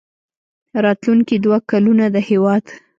راتلونکي دوه کلونه د هېواد